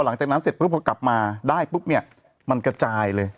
พอหลังจากนั้นเสร็จพรุ่งมึงกลับมาไว้ได้มันกระจายเลย